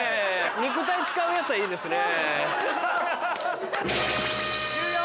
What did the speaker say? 肉体使うやつはいいですね。